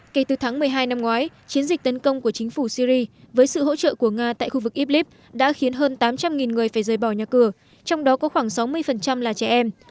kể từ tháng một mươi hai năm ngoái chiến dịch tấn công của chính phủ syri với sự hỗ trợ của nga tại khu vực iblis đã khiến hơn tám trăm linh người phải rời bỏ nhà cửa trong đó có khoảng sáu mươi là trẻ em